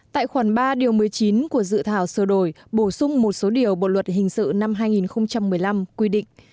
tại khoản ba điều một mươi chín của dự thảo sửa đổi bổ sung một số điều bộ luật hình sự năm hai nghìn một mươi năm quy định